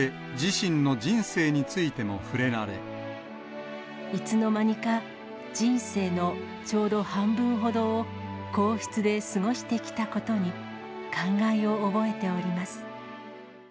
そして、いつの間にか、人生のちょうど半分ほどを、皇室で過ごしてきたことに感慨を覚えております。